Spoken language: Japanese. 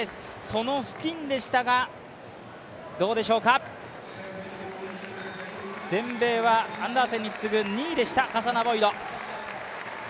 その付近でしたが、どうでしょうか全米はアンダーセンに次ぐ２位でした、カサナボイド。